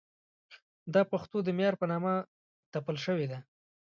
دا پښتو د معیار په نامه ټپل شوې ده.